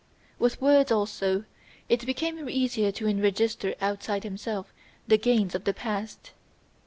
With words, also, it became easier to enregister outside himself the gains of the past.